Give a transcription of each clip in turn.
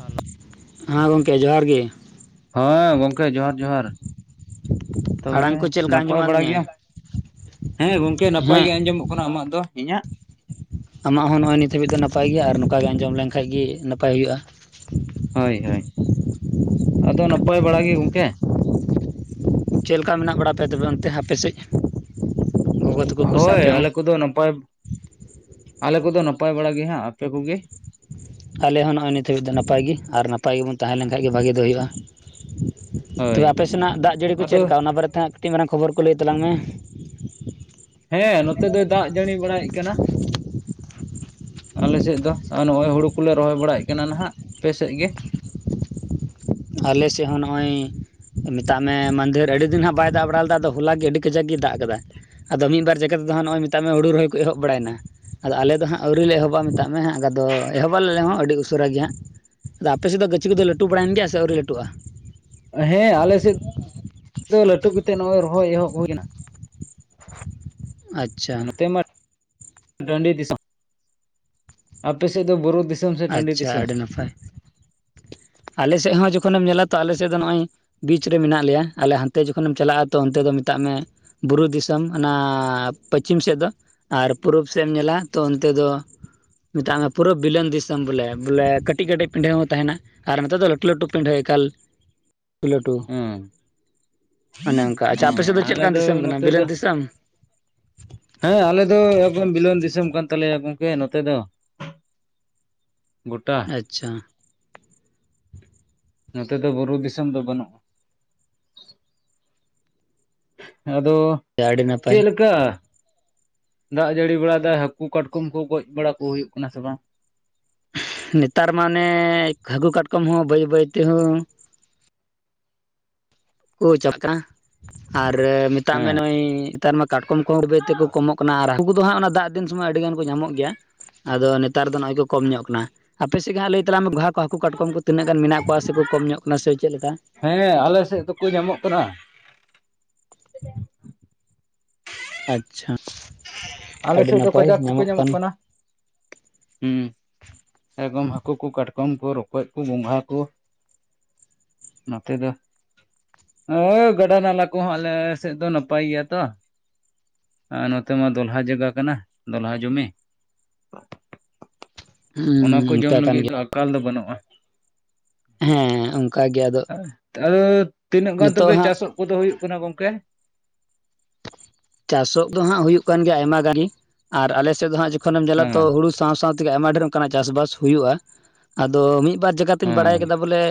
Hello ᱦᱟᱸ ᱜᱚᱝᱠᱮ ᱡᱚ ᱡᱚᱦᱟᱨ ᱜᱮ ᱦᱮᱸ ᱜᱚᱝᱠᱮ ᱡᱚᱦᱟᱨ ᱡᱚᱦᱟᱨ ᱛᱚᱵᱮ ᱟᱲᱟᱝ ᱠᱚ ᱪᱮᱫ ᱞᱮᱠᱟ ᱱᱟᱯᱟᱭ ᱟᱸᱡᱚᱢᱚᱜ ᱠᱟᱱ ᱵᱟᱲᱟ ᱛᱤᱧᱟᱹ ᱜᱮᱭᱟᱢ ᱦᱮᱸ ᱜᱚᱝᱠᱮ ᱱᱟᱯᱟᱭ ᱦᱮᱸ ᱜᱮ ᱟᱸᱡᱚᱢᱼᱚᱜ ᱠᱟᱱᱟ ᱟᱢᱟᱜ ᱫᱚ᱾ ᱤᱧᱟᱹᱜ ᱟᱢᱟᱜ ᱦᱚᱸ ᱱᱚᱜᱼᱚᱭ ᱱᱤᱛ ᱦᱟᱹᱵᱤᱡ ᱫᱚ ᱱᱟᱯᱟᱭ ᱜᱮᱭᱟ ᱟᱨ ᱱᱚᱝᱠᱟ ᱜᱮ ᱟᱸᱡᱚᱢ ᱞᱮᱱ ᱠᱷᱟᱡ ᱜᱮ ᱱᱟᱯᱟᱭ ᱦᱩᱭᱩᱜᱼᱟ᱾ ᱦᱳᱭ ᱦᱳᱭ ᱟᱫᱚ ᱱᱟᱯᱟᱭ ᱵᱟᱲᱟ ᱜᱮ ᱜᱚᱝᱠᱮ᱾ ᱪᱮᱫ ᱞᱮᱠᱟ ᱢᱮᱱᱟᱜ ᱵᱟᱲᱟ ᱯᱮᱭᱟ ᱛᱚᱵᱮ ᱚᱱᱛᱮ ᱟᱯᱮ ᱥᱮᱫ? ᱜᱚᱜᱚ ᱛᱟᱠᱚ ᱠᱚ ᱥᱮ ᱦᱳᱭ ᱟᱯᱮ ᱦᱚᱸ ᱟᱞᱮ ᱠᱚᱫᱚ ᱱᱟᱯᱟᱭ ᱟᱞᱮ ᱠᱚᱫᱚ ᱱᱟᱯᱟᱭ ᱵᱟᱲᱟ ᱜᱮ ᱦᱟᱸᱜ, ᱟᱯᱮ ᱠᱚᱜᱮ? ᱟᱞᱮ ᱦᱚᱸ ᱱᱚᱜᱼᱚᱭ ᱱᱤᱛ ᱦᱟᱹᱵᱤᱡ ᱫᱚ ᱱᱟᱯᱟᱭ ᱜᱮ᱾ ᱟᱨ ᱱᱟᱯᱟᱭ ᱜᱮᱵᱚᱱ ᱛᱟᱦᱮᱸ ᱞᱮᱱ ᱠᱷᱟᱡ ᱜᱮ ᱵᱷᱟᱜᱮ ᱫᱚ ᱦᱩᱭᱩᱜᱼᱟ᱾ ᱛᱚ ᱦᱳᱭ ᱵᱮ ᱟᱯᱮ ᱥᱮᱱᱟᱜ ᱫᱟᱜ ᱡᱟᱹᱲᱤ ᱠᱚ ᱟᱫᱚ ᱪᱮᱫ ᱞᱮᱠᱟ ᱚᱱᱟ ᱵᱟᱨᱮ ᱛᱮ ᱦᱟᱸᱜ ᱠᱟᱹᱴᱤᱡ ᱢᱟᱨᱟᱝ ᱠᱷᱚᱵᱚᱨ ᱠᱚ ᱞᱟᱹᱭ ᱛᱟᱞᱟᱝ ᱢᱮ? ᱦᱮᱸ ᱱᱚᱛᱮ ᱫᱚᱭ ᱫᱟᱜ ᱡᱟᱹᱲᱤ ᱵᱟᱲᱟ ᱭᱮᱫ ᱠᱟᱱᱟ᱾ ᱟᱞᱮ ᱥᱮᱫ ᱫᱚ ᱱᱚᱜᱼᱚᱭ ᱦᱩᱲᱩ ᱠᱚᱞᱮ ᱨᱚᱦᱚᱭ ᱵᱟᱲᱟ ᱭᱮᱫ ᱠᱟᱱᱟ ᱱᱟᱦᱟᱜ, ᱟᱯᱮ ᱥᱮᱫ ᱜᱮ? ᱟᱞᱮ ᱥᱮᱫ ᱦᱚᱸ ᱱᱚᱜᱼᱚᱭ ᱢᱮᱛᱟᱜ ᱢᱮ ᱢᱟᱹᱫᱷᱮᱨ ᱟᱹᱰᱤ ᱫᱤᱱ ᱦᱟᱸᱜ ᱵᱟᱭ ᱫᱟᱜ ᱵᱟᱲᱟ ᱞᱮᱫᱟ ᱟᱫᱚ ᱦᱚᱞᱟ ᱜᱮ ᱟᱹᱰᱤ ᱠᱟᱡᱟᱠ ᱜᱮᱭ ᱫᱟᱜ ᱟᱠᱟᱫᱟ᱾ ᱟᱫᱚ ᱢᱤᱫ ᱵᱟᱨ ᱡᱟᱜᱟ ᱨᱮᱫᱚ ᱦᱚᱸ ᱢᱮᱛᱟᱜ ᱢᱮ ᱦᱩᱲᱩ ᱨᱚᱦᱚᱭ ᱠᱚ ᱮᱦᱚᱵ ᱵᱟᱲᱟᱭ ᱱᱟ᱾ ᱟᱫᱚ ᱟᱞᱮ ᱫᱚ ᱦᱟᱸᱜ ᱟᱹᱣᱨᱤ ᱞᱮ ᱮᱦᱚᱵᱟ, ᱢᱮᱛᱟᱜ ᱢᱮ ᱦᱟᱸᱜ ᱟᱫᱚ ᱮᱦᱚᱵ ᱟᱞᱮ ᱦᱚᱸ ᱟᱹᱰᱤ ᱩᱥᱟᱹᱨᱟ ᱜᱮ ᱦᱟᱸᱜ ᱟᱫᱚ ᱟᱯᱮ ᱥᱮᱫ ᱫᱚ ᱜᱟᱹᱪᱷᱤ ᱠᱚᱫᱚ ᱞᱟᱹᱴᱩ ᱵᱟᱲᱟᱭ ᱮᱱ ᱜᱮᱭᱟ ᱥᱮ ᱟᱹᱣᱨᱤ ᱞᱟᱹᱴᱩᱜᱼᱟ? ᱦᱮᱸ ᱟᱞᱮ ᱥᱮᱫ ᱫᱚ ᱞᱟᱹᱴᱩ ᱜᱮ ᱛᱮ ᱱᱚᱜᱼᱚᱭ ᱨᱚᱦᱚᱭ ᱮᱦᱚᱵ ᱦᱩᱭ ᱱᱟ᱾ ᱟᱪ ᱱᱚᱛᱮ ᱢᱟ ᱰᱟᱹᱴᱤ ᱫᱤᱥᱚᱢ ᱟᱯᱮ ᱥᱮᱫ ᱫᱚ ᱵᱩᱨᱩ ᱫᱤᱥᱚᱢ ᱥᱮ ᱴᱟᱺᱰᱤ ᱟᱪᱪᱷᱟ ᱫᱤᱥᱚᱢ ᱟᱹᱰᱤ ᱱᱟᱯᱟᱭ ᱟᱞᱮ ᱥᱮᱫ ᱦᱚᱸ ᱡᱚᱠᱷᱚ ᱱᱮᱢ ᱧᱮᱞᱟ ᱛᱚ ᱟᱞᱮ ᱥᱮᱫ ᱫᱚ ᱱᱚᱜᱼᱚᱭ ᱵᱤᱪ ᱨᱮ ᱢᱮᱱᱟᱜ ᱞᱮᱭᱟ ᱟᱞᱮ ᱦᱟᱱᱛᱮ ᱡᱚᱠᱷᱚᱱ ᱮᱢ ᱪᱟᱞᱟᱜᱼᱟ ᱛᱚ ᱚᱱᱛᱮ ᱫᱚ ᱢᱮᱛᱟᱜ ᱢᱮ ᱵᱩᱨᱩ ᱫᱤᱥᱚᱢ ᱚᱱᱟ ᱯᱚᱪᱷᱤᱢ ᱥᱮᱫ ᱫᱚ ᱟᱨ ᱯᱩᱨᱩᱵ ᱥᱮᱫ ᱮᱢ ᱧᱮᱞᱟ ᱛᱚ ᱚᱱᱛᱮ ᱫᱚ ᱢᱮᱛᱟᱜ ᱢᱮ ᱯᱩᱨᱟᱹ ᱵᱤᱞᱟᱱ ᱫᱤᱥᱚᱢ ᱵᱚᱞᱮ ᱵᱚᱞᱮ ᱠᱟᱹᱴᱤᱡ ᱠᱟᱹᱴᱤᱡ ᱯᱤᱰᱷᱟᱹ ᱦᱚᱸ ᱛᱟᱦᱮᱱᱟ᱾ ᱟᱨ ᱱᱮᱛᱟᱨ ᱫᱚ ᱞᱟᱹᱴᱩ ᱞᱟᱹᱴᱩ ᱯᱤᱰᱷᱟᱹ ᱮᱠᱟᱞ ᱞᱟᱹᱴᱩ ᱦᱮᱸ ᱚᱱᱮ ᱚᱱᱠᱟ ᱟᱪᱪᱷᱟ ᱟᱯᱮ ᱥᱮᱫ ᱪᱮᱫ ᱟᱞᱮ ᱞᱮᱠᱟᱱ ᱫᱚ ᱫᱤᱥᱚᱢ ᱠᱟᱱᱟ ᱱᱚᱛᱮ ᱫᱚ ᱵᱤᱞᱟᱹᱱ ᱫᱤᱥᱚᱢ ᱦᱮᱸ ᱟᱞᱮ ᱫᱚ ᱮᱠᱫᱚᱢ ᱵᱤᱞᱟᱱ ᱫᱤᱥᱚᱢ ᱠᱟᱱ ᱛᱟᱞᱮᱭᱟ ᱜᱚᱝᱠᱮ ᱱᱚᱛᱮ ᱫᱚ [inaudible] ᱜᱚᱴᱟ ᱟᱪᱪᱷᱟ ᱱᱚᱛᱮ ᱫᱚ ᱵᱩᱨᱩ ᱫᱤᱥᱚᱢ ᱫᱚ ᱵᱟᱹᱱᱩᱜ ᱟ᱾ ᱟᱫᱚ ᱟᱹᱰᱤ ᱪᱮᱫ ᱱᱟᱯᱟᱭ ᱞᱮᱠᱟ ᱫᱟᱜ ᱡᱟᱹᱲᱤ ᱵᱟᱲᱟ ᱮᱫᱟᱭ ᱦᱟᱹᱠᱩ ᱠᱟᱴᱠᱚᱢ ᱠᱚ ᱜᱚᱡ ᱵᱟᱲᱟ ᱠᱚ ᱦᱩᱭᱩᱜ ᱠᱟᱱᱟ ᱥᱮ ᱵᱟᱝ? ᱱᱮᱛᱟᱨ ᱢᱟᱱᱮ ᱦᱟᱹ ᱠᱩ ᱠᱟᱴᱠᱚᱢ ᱦᱚᱸ ᱵᱟᱹᱭ ᱵᱟᱹᱭ ᱛᱮᱦᱚᱸ ᱠᱚ [unintelligible] ᱟᱨ ᱢᱮᱛᱟᱜ ᱢᱮ ᱦᱮᱸ ᱱᱚᱜᱼᱚᱭ ᱛᱟᱨ ᱢᱟ ᱠᱟᱴᱠᱚᱢ ᱠᱚ ᱦᱚ ᱵᱟᱹᱭ - ᱵᱟᱹᱭ ᱛᱮᱠᱚ ᱠᱚᱢᱚᱜ ᱠᱟᱱᱟ᱾ ᱟᱨ ᱦᱟᱹᱠᱩ ᱠᱚ ᱫᱚ ᱦᱟᱸᱜ ᱚᱱᱟ ᱫᱟᱜ ᱫᱤᱱ ᱥᱳᱢᱳᱭ ᱟᱹᱰᱤ ᱜᱟᱱ ᱠᱚ ᱧᱟᱢᱚᱜ ᱜᱮᱭᱟ᱾ ᱟᱫᱚ ᱱᱮᱛᱟᱨ ᱫᱚ ᱱᱚᱜᱼᱚᱭ ᱠᱚ ᱠᱚᱢ ᱧᱚᱜ ᱠᱟᱱᱟ ᱟᱯᱮ ᱥᱮᱫ ᱜᱮ ᱦᱟᱸᱜ ᱞᱟᱹᱭ ᱛᱟᱞᱟ ᱢᱮ ᱜᱚᱸᱝᱦᱟ ᱠᱚ ᱦᱟᱹᱠᱩ ᱠᱟᱴᱠᱚᱢ ᱠᱚ᱾ ᱛᱤᱱᱟᱹᱜ ᱜᱟᱱ ᱢᱮᱱᱟᱜ ᱠᱚᱣᱟ ᱥᱮ ᱠᱚ ᱠᱚᱢ ᱧᱚᱜ ᱠᱟᱱᱟ ᱥᱮ ᱪᱮᱫ ᱞᱮᱠᱟ᱾ ᱦᱮᱸ ᱟᱞᱮ ᱥᱮᱫ ᱫᱚᱠᱚ ᱧᱟᱢᱚᱜ ᱠᱟᱱᱟ᱾ [inaudible] ᱟᱪᱪᱷᱟ ᱟᱞᱮ ᱟᱹᱰᱤ ᱥᱮᱫ ᱫᱚ ᱱᱟᱯᱟᱭ ᱠᱟᱡᱟᱠ ᱛᱮᱠᱚ ᱠᱟᱱ ᱧᱟᱢᱚᱜ ᱠᱟᱱᱟ᱾ ᱦᱩᱸ ᱮᱫᱚᱢ ᱦᱟᱹᱠᱩ ᱠᱚ ᱠᱟᱴᱠᱚᱢ ᱠᱚ ᱨᱚᱠᱚᱡ ᱠᱚ ᱜᱚᱸᱝᱦᱟ ᱠᱚ ᱱᱚᱛᱮ ᱫᱚ [unintelligible] ᱜᱟᱰᱟ ᱱᱟᱞᱟ ᱠᱚᱦᱚᱸ ᱟᱞᱮ ᱥᱮᱫ ᱫᱚ ᱱᱟᱯᱟᱭ ᱜᱮᱭᱟ ᱛᱚ ᱟᱨ ᱱᱚᱛᱮ ᱢᱟ ᱫᱚᱞᱦᱟ ᱡᱟᱭᱜᱟ ᱠᱟᱱᱟ ᱫᱚᱞᱦᱟ ᱡᱚᱢᱤ ᱚᱱᱟ ᱠᱚ ᱦᱩᱸ ᱡᱚᱢ ᱚᱱᱠᱟ ᱠᱟᱱ ᱞᱟᱹᱜᱤᱫ ᱫᱚ ᱜᱮᱭᱟ ᱟᱠᱟᱞ ᱫᱚ ᱵᱟᱹᱱᱩᱜᱼᱟ ᱦᱮᱸ [unintelligible] [unintelligible] ᱜᱮ ᱟᱫᱚ ᱟᱫᱚ ᱛᱤᱱᱟᱹᱜ ᱜᱟᱱ ᱱᱤᱛᱚᱜ ᱛᱚᱵᱮ ᱦᱟᱸᱜ ᱪᱟᱥ ᱚᱜ ᱠᱚᱫᱚ ᱦᱩᱭᱩᱜ ᱠᱟᱱᱟ ᱜᱚᱝᱠᱮ ᱪᱟᱥ ᱚᱜ ᱫᱚ ᱦᱟᱸᱜ ᱦᱩᱭᱩᱜ ᱠᱟᱱ ᱜᱮᱭᱟ ᱟᱭᱢᱟ ᱜᱟᱱ ᱜᱮ ᱟᱨ ᱟᱞᱮ ᱥᱮᱫ ᱫᱚ ᱦᱟᱸᱜ ᱡᱚᱠᱷᱚᱱ ᱮᱢ ᱧᱮᱞᱟ ᱛᱚ ᱦᱮᱸ ᱦᱩᱲᱩ ᱥᱟᱶ ᱥᱟᱶ ᱛᱮ ᱟᱭᱢᱟ ᱰᱷᱮᱨ ᱚᱱᱠᱟᱱᱟᱜ ᱪᱟᱥᱵᱟᱥ ᱦᱩᱭᱩᱜᱼᱟ ᱟᱫᱚ ᱢᱤᱫ, ᱵᱟᱨ ᱡᱟᱭᱜᱟ ᱛᱚᱧ ᱵᱟᱲᱟᱭ ᱦᱮᱸ ᱠᱟᱫᱟ ᱵᱚᱞᱮ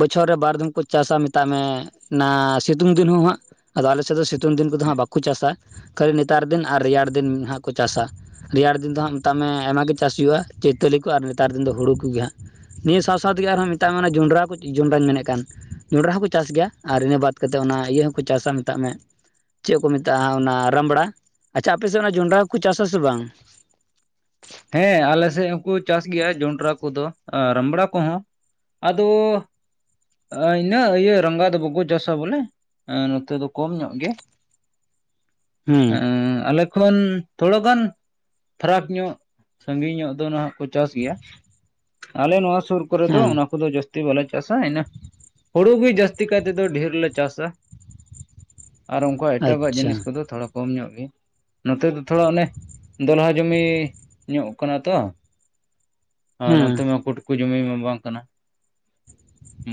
ᱵᱚᱪᱷᱚᱨ ᱨᱮ ᱵᱟᱨᱫᱷᱟᱧᱢ ᱠᱚ ᱪᱟᱥᱟ ᱢᱮᱛᱟᱜ ᱢᱮ ᱚᱱᱟ ᱥᱤᱛᱩᱝ ᱫᱤᱱ ᱦᱚᱸ ᱦᱟᱸᱜ ᱟᱫᱚ ᱟᱞᱮᱥᱮᱫ ᱫᱚ ᱥᱤᱛᱩᱝ ᱥᱤᱛᱩᱝ ᱫᱤᱱ ᱠᱚᱫᱚ ᱦᱟᱸᱜ ᱵᱟᱠᱚ ᱪᱟᱥᱟ ᱠᱷᱟᱹᱞᱤ ᱱᱮᱛᱟᱨ ᱫᱤᱱ ᱟᱨ ᱨᱮᱭᱟᱲ ᱫᱤᱱ ᱦᱟᱸᱜ ᱠᱚ ᱪᱟᱥᱟ, ᱨᱮᱭᱟᱲ ᱫᱤᱱ ᱫᱚ ᱦᱟᱸᱜ ᱢᱮᱛᱟᱜ ᱢᱮ ᱟᱭᱢᱟᱜ ᱜᱮ ᱪᱟᱥ ᱦᱩᱭᱩᱜᱼᱟ ᱪᱳᱭᱛᱟᱞᱤ ᱠᱚ ᱟᱨ ᱱᱮᱛᱟᱨ ᱫᱤᱱ ᱫᱚ ᱦᱩᱲᱩ ᱠᱚᱜᱮ ᱦᱟᱸᱜ, ᱱᱤᱭᱟᱹ ᱥᱟᱶ ᱥᱟᱶᱛᱮᱜ ᱟᱨᱦᱚᱸ ᱢᱮᱟᱜ ᱢᱮ ᱡᱚᱸᱰᱨᱟ ᱠᱚ ᱡᱚᱸᱰᱨᱟᱧ ᱢᱮᱱᱮᱫ ᱠᱟᱱ ᱡᱚᱸᱰᱨᱟ ᱦᱚᱸᱠᱚ ᱪᱟᱥ ᱜᱮᱭᱟ ᱟᱨ ᱤᱱᱟᱹ ᱵᱟᱫ ᱠᱟᱛᱮᱫ ᱚᱱᱟ ᱤᱭᱟᱹ ᱦᱚᱸᱠᱚ ᱪᱟᱥᱟ ᱢᱮᱛᱟᱜ ᱢᱮ ᱪᱮᱫ ᱠᱚ ᱢᱮᱛᱟᱜᱼᱟ ᱚᱱᱟ ᱨᱟᱢᱵᱲᱟ ᱟᱪᱪᱷᱟ ᱟᱯᱮᱥᱮᱫ ᱚᱱᱟ ᱡᱚᱱᱰᱨᱟ ᱠᱚ ᱪᱟᱥᱟ ᱥᱮ ᱵᱟᱝ? ᱦᱮᱸ ᱟᱞᱮ ᱥᱮᱫ ᱦᱚᱸᱠᱚ ᱪᱟᱥ ᱜᱮᱭᱟ ᱡᱚᱱᱰᱨᱟ ᱠᱚᱫᱚ ᱨᱟᱢᱲᱟ ᱠᱚᱦᱚᱸ ᱟᱫᱚ ᱤᱱᱟᱹ ᱤᱭᱟᱹ ᱨᱟᱸᱜᱟ ᱫᱚ ᱵᱟᱠᱚ ᱡᱚᱥᱟ ᱵᱚᱞᱮ ᱱᱚᱛᱮ ᱫᱚ ᱠᱚᱢ ᱧᱚᱜ ᱜᱮ, ᱦᱮᱸ ᱦᱸ ᱟᱞᱮ ᱮᱠᱷᱚᱱ ᱛᱷᱚᱲ ᱜᱟᱱ ᱯᱷᱟᱨᱟᱠ ᱧᱚᱜ ᱥᱟᱺᱜᱤᱧ ᱧᱚᱜ ᱫᱚ ᱱᱟᱦᱟᱜ ᱠᱚ ᱪᱟᱥ ᱜᱮᱭᱟ, ᱟᱞᱮ ᱱᱚᱣᱟ ᱥᱩᱨ ᱠᱚᱨᱮ ᱫᱚ ᱦᱮᱸ ᱚᱱᱟ ᱠᱚᱫᱚ ᱡᱟᱹᱥᱛᱤ ᱵᱟᱞᱮ ᱪᱟᱥᱟ ᱤᱱᱟ ᱦᱩᱲᱩ ᱜᱤ ᱡᱟᱹᱥᱛᱤ ᱠᱟᱭ ᱛᱮᱫᱚ ᱰᱷᱮᱨ ᱞᱮ ᱪᱟᱥᱟ, ᱟᱨ ᱩᱱᱠᱟ ᱮᱴᱟᱜᱟᱜ ᱟᱪᱪᱷᱟ ᱡᱤᱱᱤᱥ ᱠᱚᱫᱚ ᱛᱷᱚᱲᱟ ᱠᱚᱢ ᱧᱚᱜ ᱜᱮ, ᱱᱚᱛᱮ ᱫᱚ ᱛᱷᱚᱲᱟ ᱚᱱᱮ ᱫᱚᱞᱦᱟ ᱡᱚᱢᱤ ᱧᱚᱜ ᱠᱟᱱᱟ ᱛᱚ, ᱟᱨ ᱱᱚᱛᱮ ᱦᱮᱸ ᱢᱟ ᱠᱴᱠᱩ ᱡᱚᱢᱤ ᱢᱟ ᱵᱟᱝ ᱠᱟᱱᱟ,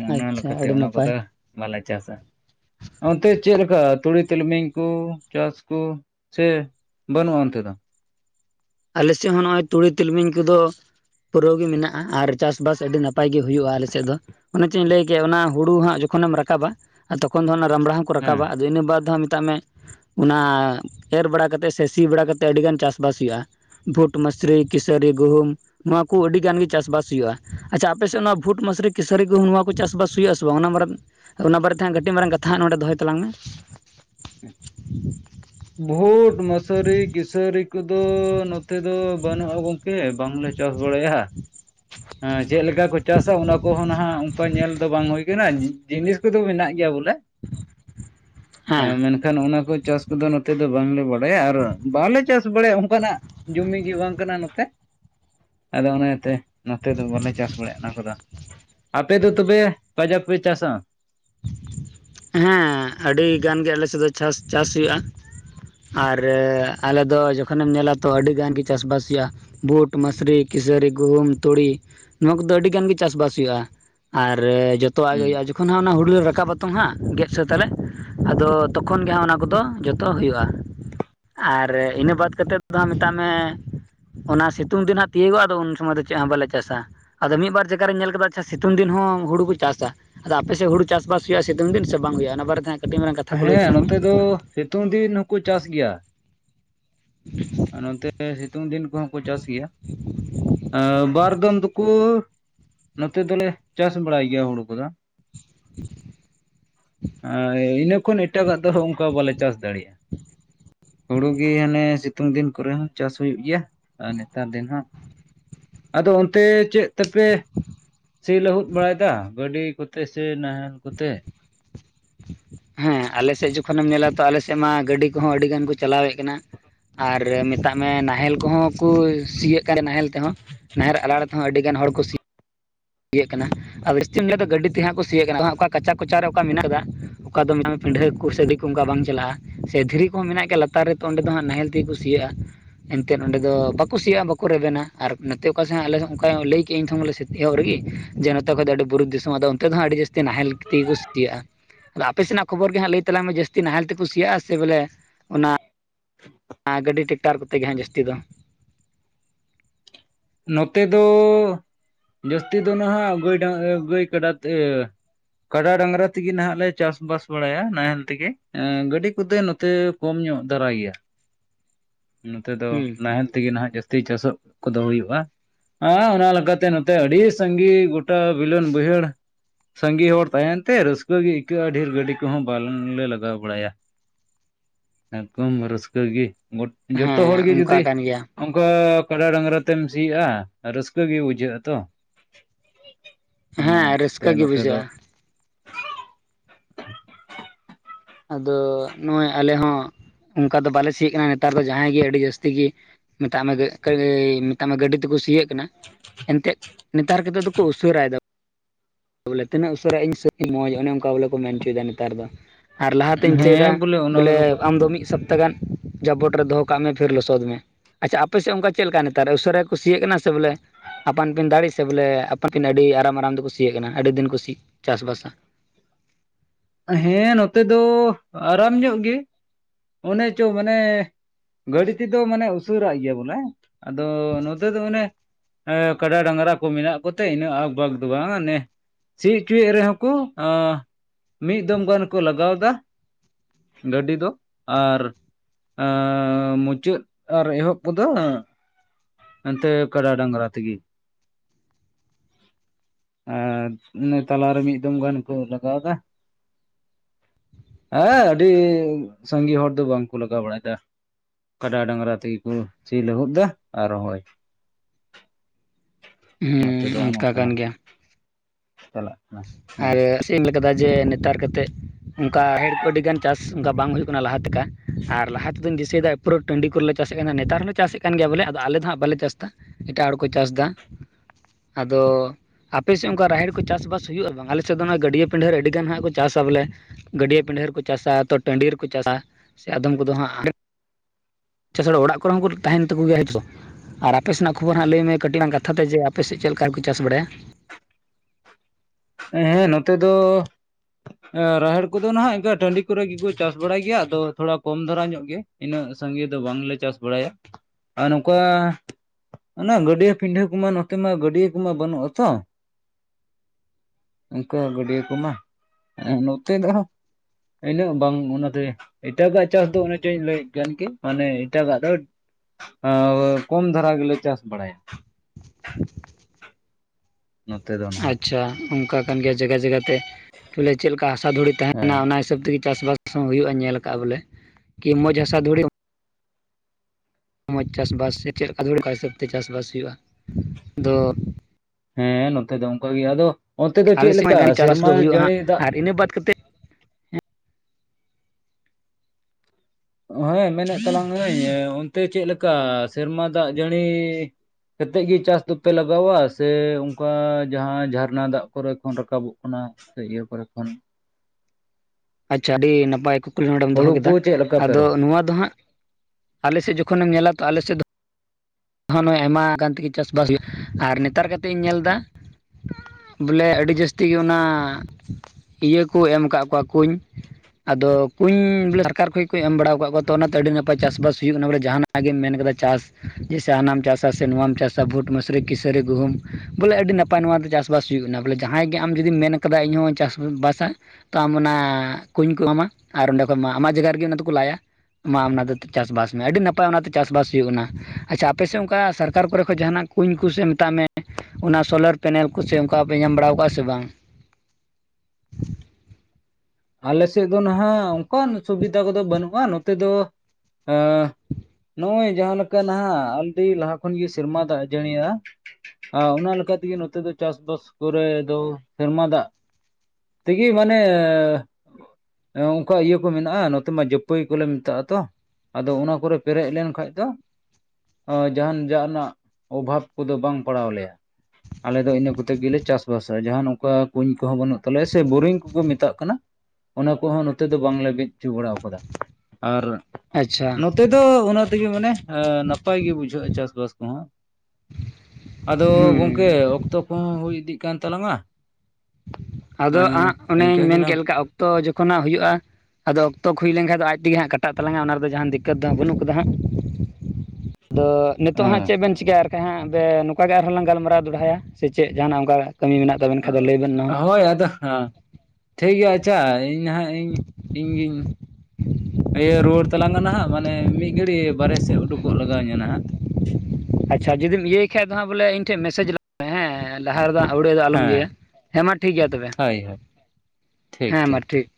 ᱚᱱᱟ ᱟᱪᱪᱷᱟ ᱞᱮᱠᱟᱛᱮ ᱟᱹᱰᱤ ᱚᱱᱟ ᱱᱟᱯᱟᱭ ᱠᱚᱫᱚ ᱵᱟᱞᱮ ᱪᱟᱥᱟ, ᱚᱱᱛᱮ ᱪᱮᱫ ᱞᱮᱠᱟ ᱛᱩᱲᱤ ᱛᱤᱞᱢᱤᱧ ᱠᱚ ᱪᱟᱥ ᱠᱚ ᱥᱮ ᱵᱟᱹᱱᱩᱜᱼᱟ ᱚᱱᱛᱮ ᱫᱚ, ᱟᱞᱮ ᱥᱮᱫ ᱦᱚᱸ ᱱᱚᱜᱼᱚᱭ ᱛᱩᱲᱤ ᱛᱤᱞᱢᱤᱧ ᱠᱚᱫᱚ ᱯᱩᱨᱟᱹᱣ ᱜᱮ ᱢᱮᱱᱟᱜᱼᱟ ᱟᱨ ᱪᱟᱥᱵᱟᱥ ᱟᱹᱰᱤ ᱱᱟᱯᱟᱭ ᱜᱮ ᱦᱩᱭᱩᱜᱼᱟ ᱟᱞᱮᱥᱮᱫ ᱫᱚ ᱚᱱᱮ ᱪᱚᱧ ᱞᱟᱹᱭ ᱠᱮᱭᱟ ᱚᱱᱟ ᱦᱩᱲᱩ ᱦᱟᱸᱜ ᱡᱚᱠᱷᱚᱱᱮᱢ ᱨᱟᱠᱟᱵᱟ ᱟᱨ ᱛᱚᱠᱷᱚᱱ ᱫᱚ ᱚᱱᱟ ᱨᱟᱢᱵᱽᱲᱟ ᱦᱚᱸᱠᱚ ᱦᱮᱸ ᱨᱟᱠᱟᱵᱟ, ᱟᱫᱚ ᱤᱱᱟᱹ ᱵᱟᱫᱽ ᱦᱚᱸ ᱢᱮᱛᱟᱜ ᱢᱮ ᱚᱱᱟ ᱮᱨ ᱵᱟᱲᱟ ᱠᱟᱛᱮᱫ ᱥᱮ ᱥᱤ ᱵᱟᱲᱟᱠᱟ ᱛᱮᱫ ᱟᱹᱰᱤᱜᱟᱱ ᱪᱟᱥᱵᱟᱥ ᱦᱩᱭᱩᱜᱼᱟ ᱵᱩᱴ ᱢᱚᱥᱨᱤ ᱠᱤᱥᱚᱨᱤ ᱜᱩᱦᱩᱢ ᱱᱚᱣᱟ ᱠᱚ ᱟᱹᱰᱤᱜᱟᱱ ᱜᱮ ᱪᱟᱥᱵᱟᱥ ᱦᱩᱭᱩᱜᱼᱟ ᱟᱪᱪᱷᱟ ᱟᱯᱮ ᱥᱮᱫ ᱱᱚᱣᱟ ᱵᱩᱴ ᱢᱟᱥᱨᱤ ᱠᱮᱥᱟᱹᱨᱤ ᱠᱚᱦᱚᱸ ᱱᱚᱣᱟ ᱠᱚ ᱪᱟᱥᱵᱟᱥ ᱦᱩᱭᱩᱜ ᱟᱥᱮ ᱵᱟᱝ ᱚᱱᱟ ᱢᱟᱨᱟᱝ? ᱚᱱᱟ ᱵᱟᱨᱮᱛᱮ ᱠᱟᱹᱴᱤᱡ ᱢᱟᱨᱟᱝ ᱠᱟᱛᱷᱟ ᱦᱟᱸᱜ ᱱᱚᱸᱰᱮ ᱫᱚᱦᱚᱭ ᱛᱟᱞᱟᱝ ᱢᱮ ᱵᱩᱴ ᱢᱚᱥᱟᱨᱤ ᱠᱤᱥᱟᱹᱨᱤ ᱠᱚᱫᱚ, ᱱᱚᱛᱮ ᱫᱚ ᱵᱟᱹᱱᱩᱜᱼᱟ ᱜᱚᱝᱠᱮ ᱵᱟᱝᱞᱮ ᱪᱟᱥ ᱵᱟᱲᱟᱭᱟ᱾ ᱦᱮᱸ ᱪᱮᱫ ᱞᱮᱠᱟ ᱠᱚ ᱪᱟᱥᱟ ᱚᱱᱟ ᱠᱚᱦᱚᱸ ᱱᱟᱦᱟᱜ ᱚᱱᱠᱟ ᱧᱮᱞ ᱫᱚ ᱵᱟᱝ ᱦᱩᱭ ᱠᱟᱱᱟ ᱡᱤᱱᱤᱥ ᱠᱚᱫᱚ ᱢᱮᱱᱟᱜ ᱜᱮᱭᱟ ᱵᱚᱞᱮ, ᱦᱮᱸ ᱢᱮᱱᱠᱷᱟᱱ ᱚᱱᱟ ᱠᱚ ᱪᱟᱥ ᱠᱚᱫᱚ ᱱᱚᱛᱮ ᱫᱚ ᱵᱟᱝᱞᱮ ᱵᱟᱲᱟᱭ, ᱦᱮᱸ ᱟᱨ ᱵᱟᱨ ᱵᱟᱞᱮ ᱪᱟᱥ ᱵᱟᱲᱟᱭᱟ ᱚᱱᱠᱟᱱᱟᱜ ᱡᱩᱢᱤ ᱜᱮ ᱵᱟᱝ ᱠᱟᱱᱟ ᱱᱚᱛᱮ, ᱟᱫᱚ ᱚᱱᱟᱛᱮ ᱱᱚᱛᱮ ᱫᱚ ᱵᱟᱞᱮ ᱪᱟᱥ ᱵᱟᱲᱟᱭᱟ ᱚᱱᱟ ᱠᱚᱫᱚ, ᱟᱯᱮ ᱫᱚ ᱛᱚᱵᱮ ᱠᱟᱡᱟᱠ ᱯᱮ ᱪᱟᱥᱟ? ᱦᱮᱸ ᱟᱹᱰᱤ ᱜᱟᱱ ᱜᱮ ᱟᱞᱮ ᱥᱮᱫ ᱫᱚ ᱪᱟᱥ ᱪᱟᱥ ᱦᱩᱭᱩᱜᱼᱟ, ᱟᱨ ᱟᱞᱮ ᱫᱚ ᱡᱚᱠᱷᱚᱱᱮᱢ ᱧᱮᱞᱟ ᱛᱚ ᱟᱹᱰᱤ ᱜᱟᱱ ᱜᱮ ᱪᱟᱥᱵᱟᱥ ᱦᱩᱭᱩᱜᱼᱟ, ᱵᱩᱴ ᱢᱟᱥᱨᱤ ᱠᱮᱥᱟᱹᱨᱤ ᱜᱩᱦᱩᱢ ᱛᱩᱲᱤ ᱱᱚᱣᱟ ᱠᱚᱫᱚ ᱟᱹᱰᱤ ᱜᱟᱱ ᱜᱮ ᱪᱟᱥᱵᱟᱥ ᱦᱩᱭᱩᱜᱼᱟ, ᱟᱨ ᱡᱚᱛᱚᱣᱟᱜ ᱜᱮ ᱦᱩᱭᱩᱜᱼᱟ ᱦᱩᱸ ᱡᱚᱠᱷᱚᱱ ᱚᱱᱟ ᱦᱩᱲᱩ ᱞᱮ ᱨᱟᱠᱟᱵᱟ ᱛᱚ ᱦᱟᱸᱜ ᱜᱮᱫ ᱥᱟᱹᱛ ᱟᱞᱮ ᱟᱫᱚ ᱛᱚᱠᱷᱚᱱ ᱜᱮ ᱦᱟᱸᱜ ᱚᱱᱟ ᱠᱚᱫᱚ ᱡᱚᱛᱚ ᱦᱩᱭᱩᱜᱼᱟ, ᱟᱨ ᱤᱱᱟᱹ ᱵᱟᱫᱽ ᱠᱟᱛᱮᱫ ᱫᱚ ᱢᱮᱛᱟᱜ ᱢᱮ ᱚᱱᱟ ᱥᱤᱛᱩᱝ ᱫᱤᱱ ᱦᱟᱸᱜ ᱛᱤᱭᱳᱜᱚᱜᱼᱟᱫᱚ ᱩᱱ ᱥᱚᱢᱚᱭ ᱫᱚ ᱪᱮᱫ ᱦᱚᱸ ᱵᱟᱞᱮ ᱪᱟᱥᱟ, ᱟᱫᱚ ᱢᱤᱫ ᱵᱟᱨ ᱡᱟᱭᱜᱟ ᱨᱤᱧ ᱧᱮᱞ ᱠᱮᱫᱟ ᱥᱤᱛᱩᱝ ᱫᱤᱱ ᱦᱚᱸ ᱦᱩᱲᱩ ᱠᱚ ᱪᱟᱥᱟ ᱟᱫᱚ ᱟᱯᱮ ᱥᱮᱫ ᱦᱩᱲᱩ ᱪᱟᱥ? ᱵᱟᱥ ᱦᱩᱭᱩᱜᱼᱟ ᱥᱤᱛᱩᱝ ᱫᱤᱱ ᱥᱮ ᱵᱟᱝ ᱦᱩᱭᱩᱜᱼᱟ ᱚᱱᱟ ᱵᱟᱨᱮ ᱛᱮ ᱦᱮᱸ ᱱᱚᱛᱮ ᱫᱚ ᱥᱤᱛᱩᱝ ᱫᱤᱱ ᱦᱚᱸᱠᱚ ᱪᱟᱥ ᱜᱮᱭᱟ, [unintelligible] ᱱᱚᱛᱮ ᱥᱤᱛᱩᱝ ᱫᱤᱱ ᱠᱚᱦᱚᱸ ᱠᱚ ᱪᱟᱥ ᱜᱮᱭᱟ ᱮᱸ ᱵᱟᱨ ᱫᱚᱢ ᱫᱚᱠᱚ ᱱᱚᱛᱮ ᱫᱚᱞᱮ ᱪᱟᱥ ᱵᱟᱲᱟᱭ ᱜᱮᱭᱟ ᱦᱩᱲᱩ ᱠᱚᱫᱚ [inaudible] ᱳᱭ ᱤᱱᱟᱹ ᱠᱷᱚᱱ ᱮᱴᱟᱜᱟᱜ ᱫᱚ ᱚᱱᱠᱟ ᱵᱚᱞᱮ, ᱪᱟᱥ ᱫᱟᱲᱮᱭᱟᱜᱼᱟ। ᱦᱩᱲᱩ ᱜᱤ ᱦᱟᱸᱱᱮ ᱥᱤᱛᱩᱝ ᱫᱤᱱ ᱠᱚᱨᱮ ᱦᱚᱸ ᱪᱟᱥ ᱦᱩᱭᱩᱜ ᱜᱤᱭᱟ ᱟᱨ ᱱᱮᱛᱟᱨ ᱫᱤᱱ ᱦᱚᱸ। ᱟᱫᱚ ᱚᱱᱛᱮ ᱪᱮᱫ ᱛᱮᱯᱮ ᱥᱤ ᱞᱟᱹᱦᱩᱫ ᱵᱟᱲᱟᱭᱫᱟ ᱜᱟᱹᱰᱤ ᱠᱚᱛᱮ ᱥᱮ ᱱᱟᱦᱮᱞ ᱠᱚᱛᱮ? ᱦᱮᱸ ᱟᱞᱮ ᱥᱮᱜ ᱡᱚᱠᱷᱚᱱᱮᱢ ᱧᱮᱞᱟ ᱛᱚ ᱟᱞᱮᱥᱮᱜ ᱢᱟ ᱜᱟᱹᱰᱤ ᱠᱚᱦᱚᱸ ᱟᱹᱰᱤ ᱜᱟᱱ ᱠᱚ ᱪᱟᱞᱟᱣᱮᱫ ᱠᱟᱱᱟ ᱟᱨ ᱢᱮᱛᱟᱜ ᱢᱮ ᱱᱟᱦᱮᱞ ᱠᱚᱦᱚᱸ ᱠᱳᱭ ᱥᱤᱭᱟᱹᱜ ᱠᱟᱱᱟ ᱱᱟᱦᱮᱞ ᱛᱮᱦᱚᱸ ᱱᱟᱦᱮᱞ ᱟᱲᱟᱨ ᱛᱮᱦᱚᱸ ᱟᱹᱰᱤ ᱜᱟᱱ ᱦᱚᱲ ᱠᱚ ᱥᱤ ᱥᱤᱭᱟᱹᱜ ᱠᱟᱱᱟ ᱟᱨ [unintelligible] ᱜᱟᱹᱰᱤ ᱛᱮᱦᱟᱸᱜ ᱠᱚ ᱥᱤᱭᱟᱹᱜ ᱠᱟᱱᱟ ᱚᱠᱟ ᱠᱟᱪᱟ ᱠᱚᱪᱟᱨ ᱨᱮ ᱚᱠᱟ ᱢᱮᱱᱟᱜ ᱠᱟᱫᱟ ᱚᱠᱟ ᱫᱚ ᱢᱮ ᱯᱤᱱᱰᱷᱟᱹ ᱠᱚ ᱥᱮᱰᱤ ᱠᱚ ᱚᱱᱠᱟ ᱵᱟᱝ ᱪᱟᱞᱟᱜᱼᱟ ᱥᱮ ᱫᱷᱤᱨᱤ ᱠᱚᱦᱚᱸ ᱢᱮᱱᱟᱜ ᱜᱮᱭᱟ ᱞᱟᱛᱟᱨ ᱨᱮ ᱛᱚ ᱚᱸᱰᱮ ᱫᱚ ᱦᱟᱸᱜ ᱱᱟᱦᱮᱞ ᱛᱮᱜᱮ ᱠᱚ ᱥᱤᱭᱟᱹᱜᱼᱟ ᱮᱱᱛᱮᱜ ᱚᱸᱰᱮ ᱫᱚ ᱵᱟᱠᱚ ᱥᱤᱭᱟ ᱵᱟᱠᱚ ᱨᱮᱵᱮᱱᱟ ᱟᱨ ᱱᱚᱛᱮ ᱚᱠᱟ ᱥᱮᱜ ᱦᱟᱸᱜ ᱟᱞᱮ ᱦᱚᱸ ᱚᱱᱠᱟ ᱞᱟᱹᱭ ᱠᱮᱜᱼᱟᱹᱤᱧ ᱴᱷᱩᱝᱞᱟᱹ ᱥᱮ ᱮᱦᱚᱵ ᱨᱮᱜᱮ ᱡᱮ ᱱᱚᱛᱮ ᱠᱷᱚᱡ ᱫᱚ ᱟᱹᱰᱤ ᱵᱩᱨᱩ ᱫᱤᱥᱚᱢ ᱟᱫᱚ ᱚᱱᱛᱮ ᱫᱚ ᱦᱟᱸᱜ ᱟᱹᱰᱤ ᱡᱟᱹᱥᱛᱤ ᱱᱟᱦᱮᱞ ᱛᱤᱜᱤ ᱠᱚ ᱠᱩᱥᱤᱭᱟᱜᱼᱟ ᱟᱫᱚ ᱟᱯᱮ ᱥᱮᱱᱟᱜ ᱠᱷᱚᱵᱚᱨ ᱜᱮ ᱦᱟᱸᱜ ᱞᱟᱹᱭ ᱛᱟᱞᱟᱝ ᱢᱮ ᱡᱟᱹᱥᱛᱤ ᱱᱟᱦᱮᱞ ᱛᱮᱠᱩ ᱥᱤᱭᱟᱜᱼᱟ ᱥᱮ ᱵᱚᱞᱮ ᱚᱱᱟ [unintelligible] ᱟᱸ ᱜᱟᱹᱰᱤ ᱴᱮᱠᱴᱟᱨ ᱠᱚᱛᱮ ᱜᱮ ᱦᱟᱸᱜ ᱡᱟᱹᱥᱛᱤ ᱫᱚ ᱱᱚᱛᱮ ᱫᱚ ᱡᱟᱹᱥᱛᱤ ᱫᱚ ᱱᱟᱦᱟᱜ ᱜᱟᱹᱭ ᱰᱟᱝ ᱜᱟᱹᱭ ᱠᱟᱰᱟ ᱛᱮ ᱠᱟᱰᱟ ᱰᱟᱝᱨᱟ ᱛᱤᱜᱤ ᱱᱟᱦᱟᱜ ᱞᱮ ᱪᱟᱥ ᱵᱟᱥ ᱵᱟᱲᱟᱭᱟ ᱱᱟᱦᱮᱞ ᱛᱤᱜᱮ ᱜᱟᱹᱰᱤ ᱠᱚᱛᱮ ᱱᱚᱛᱮ ᱠᱚᱢ ᱧᱚᱜ ᱫᱷᱟᱨᱟ ᱜᱤᱭᱟ [inaudible] ᱱᱚᱛᱮ ᱫᱚ ᱦᱩᱸ ᱱᱟᱦᱮᱞ ᱛᱤᱜᱤ ᱱᱟᱦᱟᱜ ᱡᱟᱹᱥᱛᱤ ᱪᱟᱥᱚᱜ ᱠᱚᱫᱚ ᱦᱩᱭᱩᱜ ᱵᱟ ᱦᱮᱸ ᱚᱱᱟ ᱞᱮᱠᱟᱛᱮ ᱱᱚᱛᱮ ᱟᱹᱰᱤ ᱥᱟᱸᱜᱤ ᱜᱚᱴᱟ ᱵᱤᱞᱟᱹᱱ ᱵᱟᱹᱭᱦᱟᱹᱲ ᱥᱟᱸᱜᱤ ᱦᱚᱲ ᱛᱟᱦᱮᱱᱛᱮ ᱨᱟᱹᱥᱠᱟᱹ ᱜᱤ ᱟᱹᱭᱠᱟᱹᱜᱼᱟ ᱰᱷᱮᱨ ᱜᱟᱹᱰᱤ ᱠᱚᱦᱚᱸ ᱵᱟᱝᱞᱮᱱ ᱜᱮᱞᱮ ᱞᱟᱜᱟᱣ ᱵᱟᱲᱟᱭᱟ ᱮᱠᱫᱚᱢ ᱨᱟᱹᱥᱠᱟᱹᱜ ᱜᱤ ᱡᱚᱛᱚ ᱦᱚᱲ ᱦᱮᱸ ᱜᱤ ᱚᱱᱠᱟ ᱡᱩᱫᱤ ᱠᱟᱱ ᱜᱮᱭᱟ ᱚᱱᱠᱟ ᱠᱟᱰᱟ ᱰᱟᱝᱨᱟ ᱛᱮᱢ ᱥᱤᱭᱟ ᱨᱟᱹᱥᱠᱟᱹ ᱜᱤ ᱵᱩᱡᱷᱟᱹᱜᱼᱟ ᱛᱚ ᱦᱮᱸ ᱚᱱᱟᱛᱮ ᱨᱟᱹᱥᱠᱟᱹ ᱜᱮ ᱱᱚᱛᱮ ᱫᱚ ᱵᱩᱡᱷᱟᱹᱜᱼᱟ ᱟᱫᱚ ᱱᱚᱜᱼᱚᱭ ᱟᱞᱮ ᱦᱚᱸ ᱚᱱᱠᱟ ᱫᱚ ᱵᱟᱞᱮ ᱥᱤᱭᱟᱹᱜ ᱠᱟᱱᱟ ᱱᱮᱛᱟᱨ ᱫᱚ ᱡᱟᱦᱟᱸᱭ ᱜᱤ ᱟᱹᱰᱤ ᱡᱟᱹᱥᱛᱤ ᱜᱤ ᱢᱮᱛᱟᱜ ᱢᱮ-ᱢᱮᱛᱟᱜ ᱢᱮ ᱜᱟᱹᱰᱤ ᱛᱮᱠᱚ ᱥᱤᱭᱟᱹᱜ ᱮᱱᱛᱮᱫ ᱱᱮᱛᱟᱨ ᱠᱮᱫᱮ ᱫᱚᱠᱚ ᱩᱥᱟᱹᱨᱟᱭ ᱫᱟ ᱵᱚᱞᱮ ᱛᱤᱱᱟᱹᱜ ᱩᱥᱟᱹᱨᱟ ᱤᱧ ᱢᱚᱸᱡᱽ ᱚᱱᱮ ᱚᱱᱠᱟ ᱵᱚᱞᱮ ᱠᱚ ᱢᱮᱱᱪᱚᱭᱫᱟ ᱱᱮᱛᱟᱨ ᱫᱚ ᱟᱨ ᱞᱟᱦᱟᱛᱤᱧ ᱫᱤᱥᱟᱹᱭᱫᱟ ᱦᱮᱸ ᱚᱱᱟ ᱵᱚᱞᱮ ᱠᱚᱫᱚ ᱟᱢ ᱫᱚ ᱢᱤᱫ ᱥᱚᱯ ᱛᱟ ᱜᱟᱱ ᱡᱟᱵᱚᱴ ᱨᱮ ᱫᱚᱦᱚ ᱠᱟᱜ ᱢᱮ ᱯᱷᱤᱨ ᱞᱚᱥᱚᱫ ᱢᱮ ᱟᱪᱷᱟ ᱟᱯᱮ ᱥᱮᱜ ᱚᱱᱠᱟ ᱪᱮᱜ ᱞᱮᱠᱟ ᱱᱮᱛᱟᱨ ᱩᱥᱟᱹᱨᱟ ᱠᱩ ᱥᱤᱭᱟᱹᱜ ᱠᱟᱱᱟ ᱥᱮ ᱵᱚᱞᱮ ᱟᱯᱟᱱ-ᱟᱹᱯᱤᱱ ᱫᱟᱲᱮ ᱥᱮ ᱵᱚᱞᱮ ᱟᱯᱟᱱ-ᱟᱹᱯᱤᱱ ᱟᱨᱟᱢ-ᱟᱨᱟᱢ ᱛᱮᱠᱚ ᱥᱤᱭᱟᱹᱜ ᱠᱟᱱᱟ ᱟᱹᱰᱤ ᱫᱤᱱ ᱠᱩ ᱥᱤ ᱪᱟᱥᱵᱟᱥᱟ ᱦᱮᱸ ᱱᱚᱛᱮ ᱫᱚ ᱟᱨᱟᱢ ᱧᱚᱜ ᱜᱮ ᱚᱱᱮ ᱪᱚ ᱢᱟᱱᱮ ᱜᱟᱹᱰᱤ ᱛᱮᱫᱚ ᱢᱟᱱᱮ ᱩᱥᱟᱹᱨᱟᱜ ᱜᱮᱭᱟ ᱵᱚᱞᱮ ᱟᱫᱚ ᱱᱚᱛᱮ ᱫᱚ ᱚᱱᱮ ᱮᱸ ᱠᱟᱰᱟ, ᱰᱟᱝᱨᱟ ᱠᱚ ᱢᱮᱱᱟᱜ ᱠᱚᱛᱮ ᱤᱱᱟᱹᱜ ᱟᱠ-ᱵᱟᱠ ᱫᱚ ᱵᱟᱝᱼᱟ ᱟᱱᱮ ᱥᱤ ᱦᱚᱪᱚᱭᱮᱜ ᱨᱮᱦᱚᱸ ᱠᱚ ᱢᱤᱫ ᱫᱚᱢ ᱜᱟᱱ ᱠᱚ ᱞᱟᱜᱟᱣᱫᱟ ᱜᱟᱹᱰᱤ ᱫᱚ ᱟᱨ ᱢᱩᱪᱟᱹᱫ ᱟᱨ ᱮᱦᱚᱵ ᱠᱚᱫᱚ ᱮᱱᱛᱮ ᱠᱟᱰᱟ, ᱰᱟᱝᱨᱟ ᱛᱮᱜᱤ ᱟᱨ ᱱᱮ ᱛᱟᱞᱟᱨᱮ ᱢᱤᱫ ᱫᱚᱢ ᱜᱟᱱ ᱠᱚ ᱞᱟᱜᱟᱣ ᱫᱟ ᱦᱮᱸᱻ ᱟᱹᱰᱤ ᱥᱟᱸᱜᱤ ᱦᱚᱲ ᱫᱚ ᱵᱟᱝᱠᱚ ᱞᱟᱜᱟᱣ ᱵᱟᱲᱟᱭᱫᱟ ᱠᱟᱰᱟ, ᱰᱟᱝᱨᱟ ᱛᱤᱜᱤ ᱠᱚ ᱥᱤ ᱞᱟᱹᱦᱩᱫ ᱫᱟ ᱟᱨ ᱨᱚᱦᱚᱭ ᱱᱚᱛᱮ ᱦᱩᱸ ᱫᱚ ᱚᱱᱮ ᱚᱱᱠᱟ ᱠᱟᱱ ᱚᱱᱠᱟᱱᱟᱜ ᱜᱮᱭᱟ᱾ ᱪᱟᱞᱟᱜ ᱠᱟᱱᱟ᱾ ᱦᱮᱸ ᱟᱨ ᱥᱮᱧ ᱞᱮᱠᱟᱫᱟ ᱡᱮ ᱱᱮᱛᱟᱨ ᱠᱟᱛᱮᱜ ᱚᱱᱠᱟ ᱦᱮᱲ ᱠᱚ ᱟᱹᱰᱤ ᱜᱟᱱ ᱪᱟᱥ ᱚᱱᱠᱟ ᱵᱟᱝ ᱦᱩᱭᱩᱜ ᱠᱟᱱᱟ ᱞᱟᱦᱟᱛᱮ ᱞᱮᱠᱟ ᱟᱨ ᱞᱟᱦᱟ ᱛᱮᱫᱩᱧ ᱫᱤᱥᱟᱹᱭᱮᱫᱟ ᱯᱩᱨᱟᱹ ᱴᱟᱺᱰᱤ ᱠᱚᱨᱮᱞᱮ ᱪᱟᱥᱮᱫ ᱠᱟᱱ ᱱᱮᱛᱟᱨ ᱦᱚᱸᱞᱮ ᱪᱟᱥᱮᱫ ᱠᱟᱱ ᱜᱮᱭᱟᱞᱮ ᱟᱞᱮ ᱫᱚ ᱦᱟᱸᱜ ᱵᱟᱞᱮ ᱪᱟᱥᱫᱟ ᱮᱴᱟᱜ ᱦᱚᱲᱠᱚ ᱪᱟᱥ ᱫᱟ ᱟᱫᱚ ᱟᱯᱮ ᱥᱮᱜ ᱚᱱᱠᱟ ᱨᱟᱦᱮᱲ ᱠᱚ ᱪᱟᱥᱵᱟᱥ ᱦᱩᱭᱩᱜᱼᱟ ᱵᱟᱝ ᱟᱞᱮ ᱥᱮᱫ ᱫᱚ ᱚᱱᱟ ᱜᱟᱹᱰᱭᱟᱹᱯᱤᱱᱰᱷᱟᱹ ᱨᱮ ᱟᱹᱰᱤ ᱜᱟᱱ ᱦᱟᱸᱜ ᱠᱚ ᱪᱟᱥᱟ ᱵᱚᱞᱮ ᱜᱟᱹᱰᱭᱟᱹ ᱯᱤᱰᱷᱟᱹ ᱨᱮᱠᱚ ᱪᱟᱥᱟ ᱛᱚ ᱴᱟᱺᱰᱤ ᱨᱮᱠᱚ ᱪᱟᱥᱟ ᱥᱮ ᱟᱫᱚᱢ ᱠᱚᱫᱚ ᱦᱟᱸᱜ ᱪᱟᱥ ᱪᱷᱟᱲᱟ ᱚᱲᱟᱜ ᱠᱚᱨᱮ ᱦᱚᱸ ᱠᱚ ᱛᱟᱦᱮᱱ ᱛᱟᱠᱚ ᱜᱮᱭᱟ ᱦᱳᱭᱛᱳ ᱟᱨ ᱟᱯᱮ ᱥᱮᱱᱟᱜ ᱠᱷᱚᱵᱚᱨ ᱦᱟᱸᱜ ᱞᱟᱹᱭᱢᱮ ᱠᱟᱹᱴᱤᱡ ᱞᱟᱝ ᱠᱟᱛᱷᱟ ᱛᱮ ᱡᱮ ᱟᱯᱮ ᱥᱮᱫ ᱪᱮᱫ ᱞᱮᱠᱟ ᱠᱚ ᱪᱟᱥ ᱵᱟᱲᱟᱭᱟ? ᱦᱮᱸᱻᱦᱮᱸ ᱱᱚᱛᱮ ᱫᱚ ᱟᱹ ᱨᱟᱦᱮᱲ ᱠᱚᱫᱚ ᱱᱟᱜ ᱤᱱᱠᱟᱹ ᱴᱺᱰᱤ ᱠᱚᱨᱮ ᱜᱮᱠᱚ ᱪᱟᱥ ᱵᱟᱲᱟᱭ ᱜᱮᱭᱟ ᱟᱫᱚ ᱛᱷᱚᱲᱟ ᱠᱚᱢ ᱫᱷᱟᱨᱟ ᱧᱚᱜ ᱜᱮ ᱩᱱᱟᱹᱜ ᱥᱟᱸᱜᱮ ᱫᱚ ᱵᱟᱝᱞᱮ ᱪᱟᱥ ᱵᱟᱲᱟᱭᱟ ᱟᱨ ᱱᱚᱝᱠᱟ ᱚᱱᱟ ᱜᱟᱹᱰᱭᱟᱹ ᱯᱤᱰᱟᱹ ᱠᱚᱢᱟ ᱱᱚᱛᱮ ᱢᱟ ᱜᱟᱹᱰᱭᱟᱹ ᱠᱚᱢᱟ ᱵᱟᱹᱱᱩᱜ-ᱟ ᱛᱚ ᱚᱱᱠᱟ ᱜᱟᱹᱰᱭᱟᱹ ᱠᱚᱢᱟ ᱱᱚᱛᱮ ᱫᱚᱦ ᱤᱱᱟᱹᱜ ᱵᱟᱝ ᱚᱱᱟᱛᱮ ᱮᱴᱟᱜᱟᱜ ᱪᱟᱥ ᱫᱚ ᱚᱱᱮᱪᱚᱧ ᱞᱟᱹᱭᱮᱫ ᱠᱟᱱ ᱜᱮ ᱢᱟᱱᱮ ᱮᱴᱟᱜᱟᱜ ᱫᱚ ᱟᱨ ᱠᱚᱢ ᱫᱷᱟᱨᱟ ᱜᱮᱞᱮ ᱪᱟᱥ ᱵᱟᱲᱟᱭᱟ᱾ ᱱᱚᱛᱮ ᱫᱚ ᱱᱟᱦᱟᱜ ᱟᱪᱷᱟ ᱚᱱᱠᱟ ᱠᱟᱱ ᱜᱮᱭᱟ ᱡᱟᱭᱜᱟ- ᱡᱟᱭᱜᱟᱛᱮ ᱵᱚᱞᱮ ᱪᱮᱫᱞᱮᱠᱟ ᱦᱟᱥᱟ ᱫᱷᱩᱲᱤ ᱛᱟᱦᱮᱱᱟ ᱦᱮᱸ ᱚᱱᱟ ᱦᱤᱥᱟᱹᱵ ᱛᱮᱜᱮ ᱪᱟᱥᱵᱟᱥ ᱦᱚᱸ ᱦᱩᱭᱩᱜ-ᱟ ᱧᱮᱞ ᱟᱠᱟᱜ-ᱟ ᱵᱚᱞᱮ ᱠᱤ ᱢᱚᱸᱡᱽ ᱦᱟᱥᱟ ᱫᱷᱩᱲᱤ ᱢᱚᱡᱽ ᱪᱟᱥᱵᱟᱥ ᱥᱮ ᱪᱮᱫ ᱞᱮᱠᱟ ᱫᱷᱩᱲᱤᱠᱟᱹ ᱦᱤᱥᱟᱹᱵ ᱛᱮ ᱪᱟᱥᱵᱟᱥ ᱦᱩᱭᱩᱜ-ᱟ ᱟᱫᱚ ᱦᱮᱸ ᱱᱚᱛᱮ ᱫᱚ ᱚᱱᱠᱟ ᱜᱮ ᱟᱫᱚ ᱚᱱᱛᱮ ᱫᱚ ᱟᱞᱮ ᱪᱮᱫ ᱥᱮᱫ ᱢᱟ ᱞᱮᱠᱟ ᱪᱟᱥ ᱥᱮᱨᱢᱟ ᱫᱚ ᱦᱩᱭᱩᱜᱼᱟ ᱡᱟᱹᱲᱤ ᱦᱟᱸᱜ ᱫᱟᱜ ᱟᱨ ᱤᱱᱟᱹ ᱵᱟᱫ ᱠᱟᱛᱮᱫ ᱦᱮᱸᱻ ᱢᱮᱱᱮᱫ ᱛᱟᱞᱟᱝ ᱟᱹᱧ ᱚᱱᱛᱮ ᱪᱮᱫ ᱞᱮᱠᱟ ᱥᱮᱨᱢᱟ ᱫᱟᱜ ᱡᱟᱹᱲᱤ? ᱠᱟᱛᱮᱫ ᱜᱮ ᱪᱟᱥ ᱫᱚᱯᱮ ᱞᱟᱜᱟᱣᱟ ᱥᱮ ᱚᱱᱠᱟ ᱡᱟᱦᱟᱸ ᱡᱷᱟᱨᱱᱟ ᱫᱟᱜ ᱠᱚᱨᱮ ᱠᱷᱚᱱ ᱨᱟᱠᱟᱵᱚᱜ ᱠᱟᱱᱟ᱾ ᱤᱭᱟᱹᱠᱚᱨᱮ ᱠᱷᱚᱱ ᱟᱪᱷᱟ ᱟᱹᱰᱤ ᱱᱟᱯᱟᱭ ᱠᱩᱠᱞᱤ ᱱᱚᱰᱮᱢ ᱫᱚᱦᱚ ᱦᱩᱲᱩ ᱠᱮᱫᱟ ᱠᱚ ᱪᱮᱫ ᱞᱮᱠᱟ ᱯᱮ ᱟᱫᱚ ᱨᱚᱦᱚᱭᱟ ᱱᱚᱣᱟ ᱫᱚ ᱦᱟᱸᱜ ᱟᱞᱮ ᱥᱮᱫ ᱡᱚᱠᱷᱚᱱ ᱧᱮᱞᱟ ᱛᱚ ᱟᱞᱮᱫ ᱫᱚ ᱦᱚᱸ ᱱᱚᱜᱼᱚᱭ ᱦᱮᱢᱟ ᱠᱟᱱ ᱛᱮᱜᱮ ᱪᱟᱥᱵᱟᱥ ᱦᱩᱭᱩᱜ ᱟᱨ ᱱᱮᱛᱟᱨ ᱠᱟᱛᱮᱜ ᱤᱧ ᱧᱮᱞ ᱮᱫᱟ ᱵᱚᱞᱮ ᱟᱹᱰᱤ ᱡᱟᱹᱥᱛᱤ ᱜᱮ ᱚᱱᱟ ᱤᱭᱟᱹ ᱠᱚ ᱮᱢ ᱠᱟᱜ ᱠᱚᱣᱟ ᱠᱩᱧ ᱟᱫᱚ ᱠᱩᱧ ᱵᱚᱞᱮ ᱥᱚᱨᱠᱟᱨ ᱠᱷᱚᱡ ᱠᱚ ᱮᱢ ᱵᱟᱲᱟ ᱠᱟᱫ ᱠᱚᱣᱟ ᱛᱚ ᱚᱱᱟᱛᱮ ᱟᱹᱰᱤ ᱱᱟᱯᱟᱭ ᱪᱟᱥᱵᱟᱥ ᱦᱩᱭᱩᱜ ᱠᱟᱱᱟ ᱵᱚᱞᱮ ᱡᱟᱦᱟᱱᱟᱜ ᱡᱟᱦᱟ ᱜᱮᱢ ᱢᱮᱱ ᱠᱟᱫᱟ ᱪᱟᱥ ᱡᱮᱭᱥᱮ ᱦᱟᱱᱟᱢ ᱪᱟᱥᱟ ᱥᱮ ᱱᱚᱣᱟᱢ ᱪᱟᱥᱟ ᱵᱷᱩᱴ, ᱢᱟᱥᱨᱤ, ᱠᱤᱥᱟᱹᱨᱤ, ᱜᱩᱦᱩᱢ ᱵᱚᱞᱮ ᱟᱹᱰᱤ ᱱᱟᱯᱟᱭ ᱱᱚᱣᱟ ᱫᱚ ᱪᱟᱥ ᱪᱟᱥᱵᱟᱥ ᱦᱩᱭᱩᱜ ᱠᱟᱱᱟ ᱵᱚᱞᱮ ᱡᱟᱦᱟᱸᱭ ᱜᱮ ᱟᱢ ᱡᱩᱫᱤᱢ ᱢᱮᱱ ᱠᱟᱫᱟ ᱤᱧᱦᱚ ᱪᱟᱥᱵᱟᱥᱟ ᱛᱚ ᱟᱢ ᱚᱱᱟ ᱠᱩᱧ ᱠᱚ ᱮᱢᱟ ᱟᱨ ᱚᱸᱰᱮ ᱠᱷᱚᱡ ᱢᱟ ᱟᱢᱟᱜ ᱡᱟᱭᱜᱟ ᱨᱮᱜᱮ ᱚᱱᱟ ᱫᱚᱠᱚ ᱞᱟᱭᱟ ᱢᱟ ᱚᱱᱟ ᱫᱚ ᱪᱟᱥᱵᱟᱥ ᱢᱮ ᱟᱹᱰᱤ ᱱᱟᱯᱟᱭ ᱚᱱᱟᱛᱮ ᱪᱟᱥᱼᱵᱟᱥ ᱦᱩᱭᱩᱜ ᱠᱟᱱᱟ ᱟᱪᱪᱷᱟ ᱟᱯᱮᱥᱮᱫ ᱚᱱᱠᱟ ᱥᱚᱨᱠᱟᱨ ᱠᱚᱨᱮ ᱠᱷᱚᱡ ᱡᱟᱦᱟᱱᱟᱜ ᱠᱩᱧ ᱠᱚᱥᱮᱫ ᱢᱮᱛᱟᱜ ᱢᱮ ᱚᱱᱟ ᱥᱳᱞᱟᱨ ᱯᱮᱱᱮᱞ ᱠᱚᱥᱮ ᱚᱱᱠᱟ ᱯᱮ ᱧᱟᱢ ᱵᱟᱲᱟ ᱠᱟᱜ-ᱟ ᱥᱮ ᱵᱟᱝ? ᱟᱞᱮᱥᱮᱫ ᱫᱚ ᱱᱟᱦᱟᱜ ᱚᱱᱠᱟᱱ ᱥᱩᱵᱤᱫᱟ ᱠᱚᱫᱚ ᱵᱟᱹᱱᱩᱜ-ᱟ ᱱᱚᱛᱮ ᱫᱚ ᱟ ᱱᱚᱜ-ᱚᱭ ᱡᱟᱦᱟᱸ ᱞᱮᱠᱟ ᱱᱟᱦᱟᱜ ᱟᱹᱰᱤ ᱞᱟᱦᱟ ᱠᱷᱚᱱ ᱜᱮ ᱥᱮᱨᱢᱟ ᱫᱟᱜ ᱡᱟᱹᱲᱤᱭᱟ ᱟ ᱚᱱᱟ ᱞᱮᱠᱟ ᱛᱮᱜᱮ ᱱᱚᱛᱮ ᱫᱚ ᱪᱟᱥᱵᱟᱥ ᱠᱚᱨᱮ ᱫᱚ ᱥᱮᱨᱢᱟ ᱫᱟᱜ ᱛᱮᱜᱤ ᱢᱟᱱᱮᱻ ᱚᱱᱠᱟ ᱤᱭᱟᱹ ᱠᱚ ᱢᱮᱱᱟᱜ-ᱟ ᱱᱚᱛᱮ ᱢᱟ ᱡᱟᱹᱯᱟᱹᱭ ᱠᱚᱞᱮ ᱢᱮᱛᱟᱜ-ᱟ ᱛᱚ ᱟᱫᱚ ᱚᱱᱟ ᱠᱚᱨᱮ ᱯᱮᱨᱮᱡ ᱞᱮᱱᱠᱷᱟᱱᱡ ᱫᱚ ᱡᱟᱦᱟᱱ ᱡᱚᱱᱟᱜ ᱚᱵᱷᱟᱵ ᱠᱚᱫᱚ ᱵᱟᱝ ᱯᱟᱲᱟᱣ ᱞᱮᱭᱟ᱾ ᱟᱞᱮ ᱫᱚ ᱤᱱᱟᱹ ᱠᱚᱛᱮ ᱜᱮᱞᱮ ᱪᱟᱥ ᱵᱟᱥᱟ ᱡᱟᱦᱟ ᱱᱚᱝᱠᱟ ᱠᱩᱧ ᱠᱚᱦᱚᱸ ᱵᱟᱹᱱᱩᱜ ᱛᱟᱞᱮᱭᱟ ᱥᱮ ᱵᱳᱨᱤᱝ ᱠᱚᱠᱚ ᱢᱮᱛᱟᱜ ᱠᱟᱱᱟ ᱚᱱᱟ ᱠᱚᱦᱚᱸ ᱱᱚᱛᱮ ᱫᱚ ᱵᱟᱝ ᱞᱮ ᱵᱤᱫ ᱦᱚᱪᱚ ᱵᱟᱲᱟ ᱠᱟᱫᱟ ᱟᱨ ᱟᱪᱪᱷᱟ ᱱᱚᱛᱮ ᱫᱚ ᱚᱱᱟ ᱛᱮᱜᱮ ᱢᱟᱱᱮ ᱟ ᱱᱟᱯᱟᱭ ᱜᱮ ᱵᱩᱡᱷᱟᱹᱜ-ᱟ ᱪᱟᱥᱵᱟᱥ ᱠᱚᱦᱚᱸ ᱟᱫᱚ ᱜᱚᱝᱠᱮ ᱦᱮᱸ ᱚᱠ ᱚᱠᱛᱚ ᱠᱚᱦᱚᱸ ᱦᱩᱭ ᱤᱫᱤᱜ ᱠᱟᱱ ᱛᱟᱞᱟᱝ-ᱟ ᱟᱫᱚ ᱦᱟᱸᱜ ᱮᱸ ᱚᱱᱮᱧ ᱤᱱᱠᱟᱹ ᱢᱮᱱ ᱜᱮᱞᱟᱝ ᱠᱮᱫ ᱞᱮᱠᱟ ᱚᱠᱛᱚ ᱡᱚᱠᱷᱚᱱ ᱦᱟᱸᱜ ᱦᱩᱭᱩᱜ-ᱟ ᱟᱫᱚ ᱚᱠᱛᱚ ᱠᱚ ᱦᱩᱭ ᱞᱮᱱᱠᱷᱟᱱ ᱫᱚ ᱟᱡ ᱛᱮᱜᱮ ᱦᱟᱸᱜ ᱠᱟᱴᱟᱜ ᱛᱟᱞᱟᱝᱟ ᱚᱱᱟ ᱨᱮᱫᱚ ᱡᱟᱦᱟᱱ ᱫᱤᱠᱠᱚᱛ ᱫᱚ ᱦᱟᱸᱜ ᱵᱟᱹᱱᱩᱜ ᱠᱟᱫᱟ ᱦᱟᱸᱜ ᱟᱫᱚ ᱱᱤᱛᱚᱜ ᱦᱟᱸᱜ ᱪᱮᱫ ᱵᱮᱱ ᱪᱤᱠᱟᱭᱟ? ᱵᱟᱠᱷᱟᱡ ᱦᱟᱸᱜ ᱱᱚᱝᱠᱟ ᱜᱮ ᱟᱨᱦᱚᱸ ᱞᱟᱝ ᱜᱟᱞᱢᱟᱨᱟᱣ ᱫᱚᱦᱟᱭᱟ ᱥᱮ ᱪᱮᱫ ᱡᱟᱦᱟᱱᱟᱜ ᱚᱱᱠᱟ ᱠᱟᱹᱢᱤ ᱢᱮᱱᱟᱜ ᱛᱟᱵᱮᱱ ᱠᱷᱟᱱ ᱫᱚ ᱞᱟᱹᱭ ᱵᱮᱱ ᱚᱱᱟ ᱦᱳᱭ ᱟᱫᱚ ᱦᱟ ᱴᱷᱤᱠ ᱜᱮᱭᱟ ᱟᱪᱪᱷᱟ ᱤᱧ ᱱᱟᱦᱟᱜ ᱤᱧ ᱤᱧᱜᱤᱧ ᱤᱭᱟᱹ ᱨᱩᱣᱟᱹᱲ ᱛᱟᱞᱟᱝᱟ ᱱᱟᱦᱟᱸᱜ ᱢᱟᱱᱮ ᱢᱤᱫ ᱜᱷᱟᱹᱲᱤᱡ ᱵᱟᱨᱦᱮ ᱥᱮᱫ ᱩᱰᱩᱠᱚᱜ ᱞᱟᱜᱟᱣ ᱤᱧᱟᱹ ᱱᱟᱦᱸᱟᱜ ᱦᱚᱸ ᱟᱪᱪᱷᱟ ᱡᱩᱫᱤᱢ ᱤᱭᱟᱹᱭ ᱠᱷᱟᱡ ᱫᱚ ᱦᱟᱸᱜ ᱵᱚᱞᱮ ᱤᱧ ᱴᱷᱮᱱ ᱢᱮᱥᱮᱡᱽ ᱞᱟᱜ [inaudible] ᱢᱮ ᱦᱮ ᱞᱟᱦᱟ ᱨᱮᱫᱚ ᱦᱟᱸᱜ ᱟᱹᱣᱲᱟᱹ ᱫᱚ ᱟᱞᱚᱢ ᱦᱮᱸ ᱤᱭᱟᱹᱭᱟ ᱦᱮᱸ ᱢᱟ ᱴᱷᱤᱠ ᱜᱮᱭᱟ ᱛᱚᱵᱮ ᱦᱳᱭ ᱦᱳᱭ ᱦᱮᱸ ᱢᱟ ᱴᱷᱤᱠ